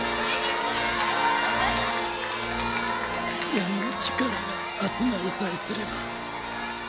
闇の力が集まりさえすれば。